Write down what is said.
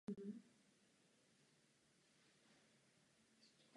Nemá osobní větu.